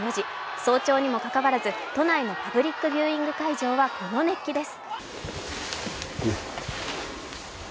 早朝にもかかわらず、都内のパブリックビューイング会場はこの熱気です。